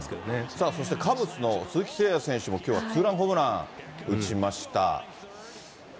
さあそして、カブスの鈴木誠也選手もきょうはツーランホームラン打ちました。